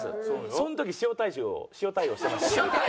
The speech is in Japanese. その時塩大将塩対応してましたよね。